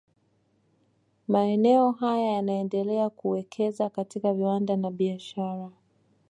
Maeneo haya yanaendelea kuwekeza katika viwanda na biashara